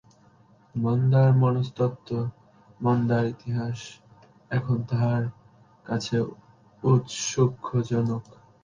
মন্দার মনস্তত্ত্ব, মন্দার ইতিহাস, এখন তাহার কাছে ঔৎসুক্যজনক।